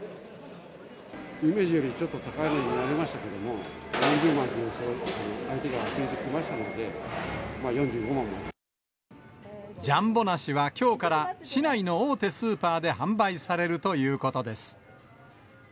イメージよりちょっと高い値になりましたけれども、４０万という相手がいましたので、４５万ジャンボ梨はきょうから、市内の大手スーパーで販売されるということです。